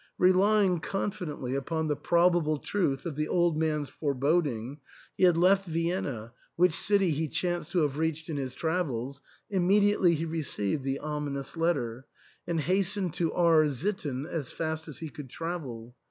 Relying confidently upon the probable truth of the old man's foreboding, he had left Vienna, which city he chanced to have reached in his travels, immediately he received the ominous letter, and hastened to R — sitten as fast as he could travel.